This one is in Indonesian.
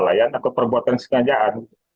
lain aku perbuatan sengajaan